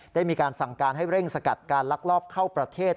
ได้มีการสั่งการให้เร่งสกัดการลักลอบเข้าประเทศ